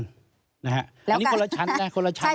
อันนี้คนละชั้นนะคนละชั้น